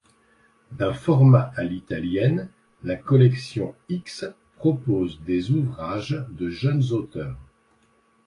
D'un format à l'italienne, la collection X propose des ouvrages de jeunes auteurs.